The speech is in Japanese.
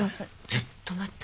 ちょっと待って。